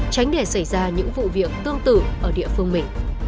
tránh để xảy ra những vụ việc tương tự ở địa phương mình